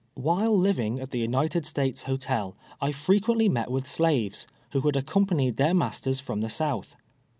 While living at the United States Hotel, I frequent ly met with slaves, who had accompanied their mas ters from the South.